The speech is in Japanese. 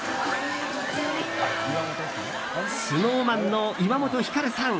ＳｎｏｗＭａｎの岩本照さん。